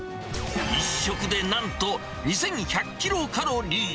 １食でなんと２１００キロカロリー。